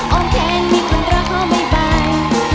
อร่องแทนมีคุณรอขอบ๊ายบาย